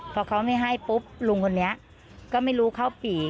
พอเขาไม่ให้ปุ๊บลุงคนนี้ก็ไม่รู้เข้าปี่